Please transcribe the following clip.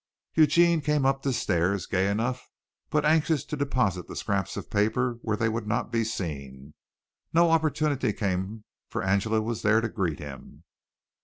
Eugene came up the stairs, gay enough but anxious to deposit the scraps of paper where they would not be seen. No opportunity came for Angela was there to greet him.